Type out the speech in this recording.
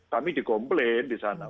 kami dikomplain di sana